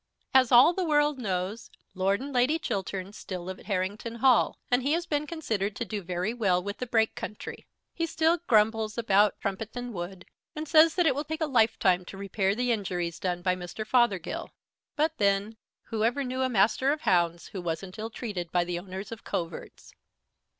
As all the world knows, Lord and Lady Chiltern still live at Harrington Hall, and he has been considered to do very well with the Brake country. He still grumbles about Trumpeton Wood, and says that it will take a lifetime to repair the injuries done by Mr. Fothergill; but then who ever knew a Master of Hounds who wasn't ill treated by the owners of coverts?